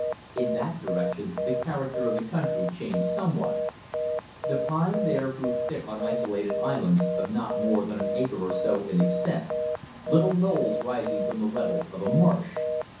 In that direction the character of the country changed somewhat. The pine there grew thick on isolated "islands" of not more than an acre or so in extent, little knolls rising from the level of a marsh.